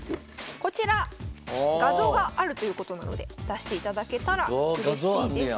こちら画像があるということなので出していただけたらうれしいです。